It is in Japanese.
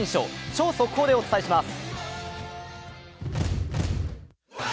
超速報でお伝えします。